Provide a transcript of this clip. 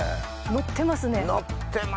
のってますね！